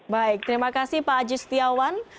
baik terima kasih pak aji setiawan